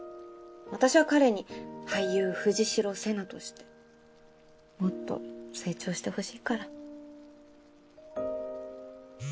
私は彼に俳優藤代瀬那としてもっと成長してほしいから。